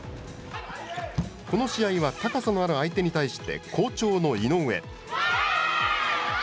この試合は高さのある相手に対して好調の井上。